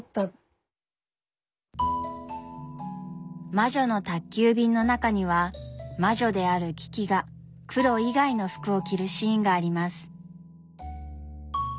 「魔女の宅急便」の中には魔女であるキキが黒以外の服を着るシーンがあります。